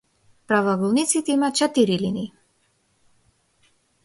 Правоаголниците имаат четири линии.